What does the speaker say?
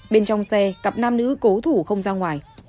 bên trong xe cặp nam nữ cố thủ không ra ngoài